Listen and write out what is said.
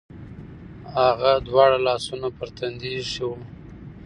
هغه دواړه لاسونه پر تندي ایښي و.